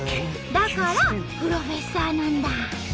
だから風呂フェッサーなんだ！